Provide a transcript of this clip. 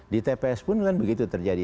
di tps pun kan begitu terjadi